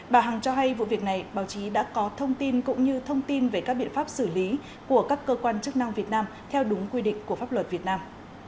bà hằng cho hay vụ việc này báo chí đã có thông tin cũng như thông tin về các biện pháp xử lý của các cơ quan chức năng việt nam theo đúng quy định của pháp luật việt nam